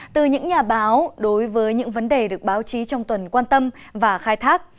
từ những nhà báo đối với những vấn đề được báo chí trong tuần quan tâm và khai thác